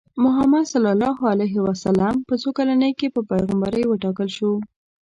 محمد ص په څو کلنۍ کې په پیغمبرۍ وټاکل شو؟